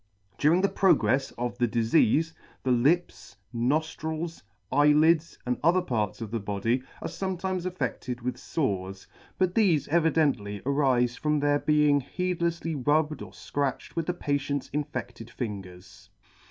During the progrefs of the difeafe, the lips, noftrils, eyelids, and other parts of the body, are fometimes affeCfed with fores; but thefe evidently arife from their being heedlefsly rubbed or fcratched with the patient's infeCted fin gers.